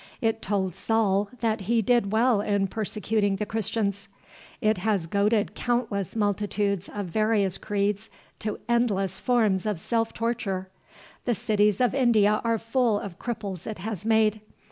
It told Saul that he did well in persecuting the Christians. It has goaded countless multitudes of various creeds to endless forms of self torture. The cities of India are full of cripples it has made.